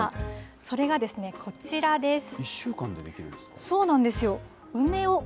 それがですね、こちらです。